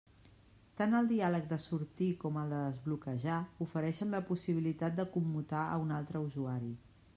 Tant el diàleg de sortir com el de desbloquejar ofereixen la possibilitat de commutar a un altre usuari.